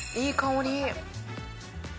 いい香り。